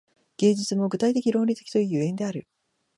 芸術も具体的論理的という所以である。